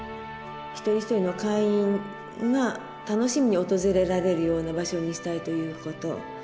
一人一人の会員が楽しみに訪れられるような場所にしたいということ。